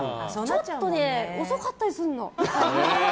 ちょっと遅かったりするの。